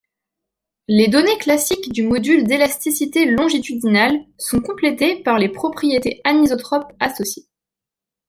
Les données classiques du module d’élasticité longitudinal sont complétées par les propriétés anisotropes associées.